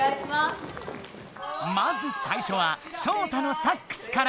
まず最初はショウタのサックスから。